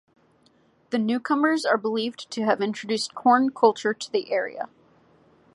The newcomers are believed to have introduced corn culture to the area.